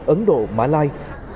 ấn độ mã lai